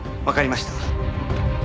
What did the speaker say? わかりました。